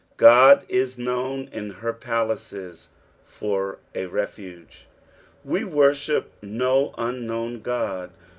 Ood i* known m her palaixe far a refvge." We worship no unknown God.